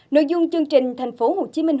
nội dung chương trình thành phố hồ chí minh